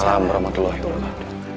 ada tamu yang sedang menunggu di pendopo raden